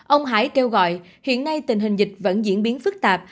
ông hải kêu gọi hiện nay tình hình dịch vẫn diễn biến phức tạp